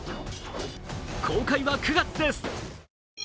公開は９月です。